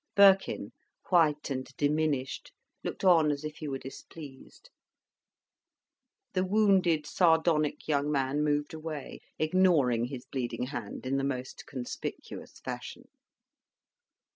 Birkin, white and diminished, looked on as if he were displeased. The wounded, sardonic young man moved away, ignoring his bleeding hand in the most conspicuous fashion.